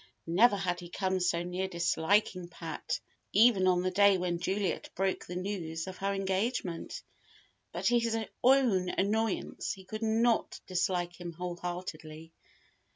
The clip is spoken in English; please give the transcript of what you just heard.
Never had he come so near disliking Pat, even on the day when Juliet broke the news of her engagement. But to his own annoyance, he could not dislike him whole heartedly.